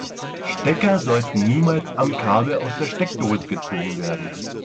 Stecker sollten niemals am Kabel aus der Steckdose gezogen werden.